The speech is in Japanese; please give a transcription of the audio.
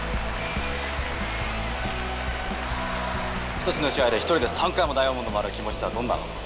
１つの試合で１人で３回もダイヤモンド回る気持ちってのはどんなの？